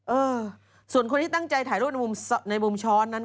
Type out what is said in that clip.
เออส่วนคนที่ตั้งใจถ่ายรูปในมุมช้อนนั้น